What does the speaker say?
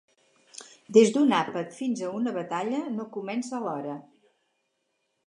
Des d'un àpat fins a una batalla, no comença a l'hora.